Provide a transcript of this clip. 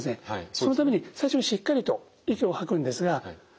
そのために最初にしっかりと息を吐くんですが。